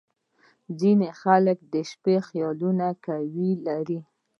• ځینې خلک د شپې خیالونه قوي لري.